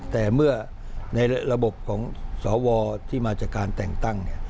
แต่เมื่อในระบบของสวที่มาจากการแต่งตั้ง